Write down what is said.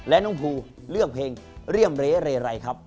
แล้วน้องภูเลือกเพลงเรี่ยมเละเละไรครับ